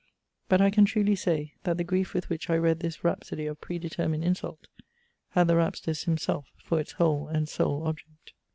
But I can truly say, that the grief with which I read this rhapsody of predetermined insult, had the rhapsodist himself for its whole and sole object.